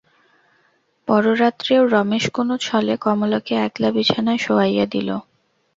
পররাত্রেও রমেশ কোনো ছলে কমলাকে একলা বিছানায় শোয়াইয়া দিল।